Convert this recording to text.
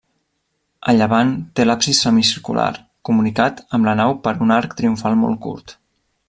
A llevant té l'absis semicircular, comunicat amb la nau per un arc triomfal molt curt.